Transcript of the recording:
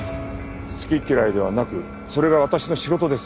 好き嫌いではなくそれが私の仕事です。